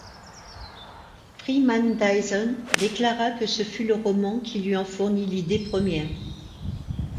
Freeman Dyson déclara que ce fut le roman qui lui en fournit l'idée première.